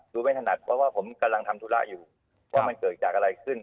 ดูไม่ถนัดเพราะว่าผมกำลังทำธุระอยู่ว่ามันเกิดจากอะไรขึ้น